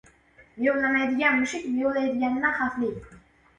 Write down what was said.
• Miyovlamaydigan mushuk miyovlaydiganidan xavfli.